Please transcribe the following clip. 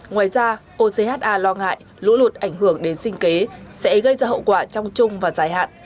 ngoài ra ocha lo ngại lũ lụt ảnh hưởng đến sinh kế sẽ gây ra hậu quả trong chung và dài hạn